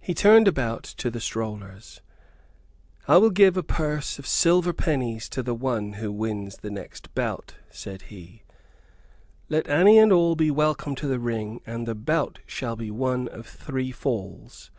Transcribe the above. He turned about to the strollers: "I will give a purse of silver pennies to the one who wins the next bout," said he. "Let any and all be welcome to the ring, and the bout shall be one of three falls.